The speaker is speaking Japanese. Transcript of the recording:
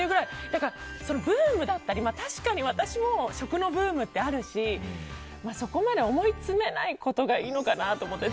だからブームだったり確かに、私も食のブームってあるしそこまで思い詰めないことがいいのかなと思って。